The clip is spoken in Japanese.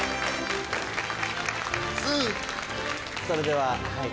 それでは。